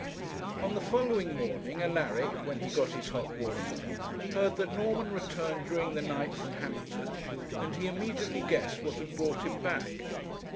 On the following morning, Alaric, when he got his hot water, heard that Norman returned during the night from Hampton, and he immediately guessed what had brought him back.